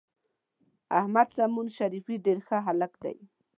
احمد سمون شریفي ډېر ښه هلک دی.